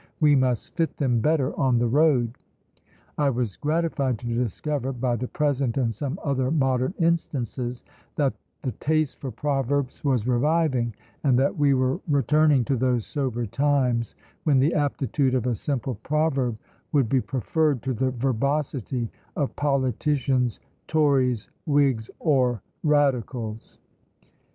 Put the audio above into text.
we must fit them better on the road!" I was gratified to discover, by the present and some other modern instances, that the taste for proverbs was reviving, and that we were returning to those sober times, when the aptitude of a simple proverb would be preferred to the verbosity of politicians, Tories, Whigs, or Radicals!